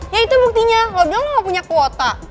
ya itu buktinya kalau udah lo gak punya kuota